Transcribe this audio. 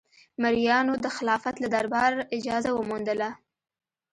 مریانو د خلافت له دربار اجازه وموندله.